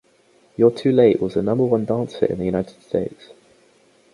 "You're Too Late" was a number-one dance hit in the United States.